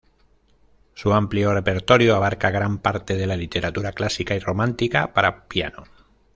Su amplio repertorio abarca gran parte de la literatura clásica y romántica para piano.